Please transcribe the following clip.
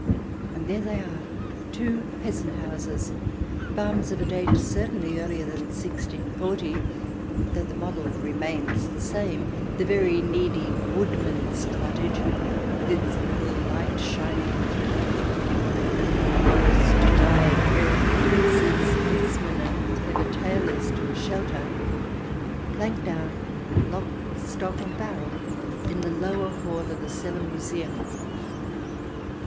And there they are — two peasant houses, farms of a date certainly earlier than 1640, though the model remains the same — the very needy woodman's cottage, with its little light shining through the thick impenetrable forest to guide errant Princes, Huntsmen, and Clever Tailors to a shelter, planked down, lock, stock, and barrel, in the lower hall of the Celle Museum.